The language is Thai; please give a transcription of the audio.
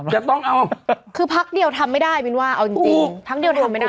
จะต้องเอาคือพักเดียวทำไม่ได้บินว่าเอาจริง